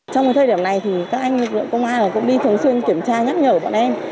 trong thời điểm này các anh công an cũng đi thường xuyên kiểm tra nhắc nhở của bọn em